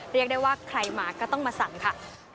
เรียกได้ว่าใครมาก็ต้องมาสั่งค่ะ